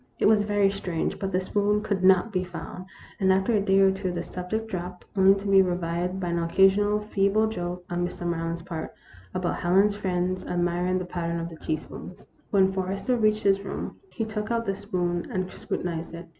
It was very strange, but the spoon could not be found, and after a day or two the subject dropped, only to be revived by an occasional feeble joke, on Mr. Maryland's part, about Helen's friends admiring the pattern of the teaspoons. When Forrester reached his room, he took out the spoon and scrutinized it.